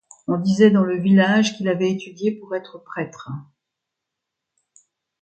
On disait dans le village qu'il avait étudié pour être prêtre.